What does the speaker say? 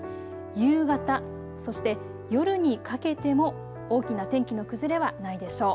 夕方、そして夜にかけても大きな天気の崩れはないでしょう。